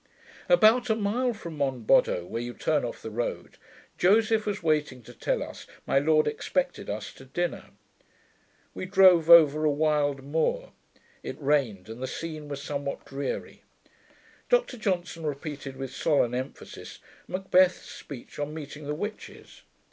About a mile from Monboddo, where you turn off the road, Joseph was waiting to tell us my lord expected us to dinner. We drove over a wild moor. It rained, and the scene was somewhat dreary. Dr Johnson repeated, with solemn emphasis, Macbeth's speech on meeting the witches.